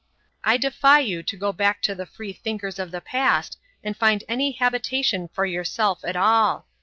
I defy you to go back to the Free thinkers of the past and find any habitation for yourself at all.